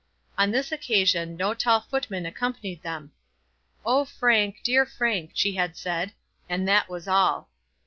On this occasion no tall footman accompanied them. "Oh, Frank; dear Frank," she had said, and that was all.